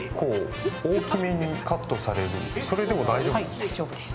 はい大丈夫です。